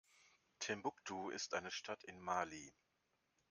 Timbuktu ist eine Stadt in Mali.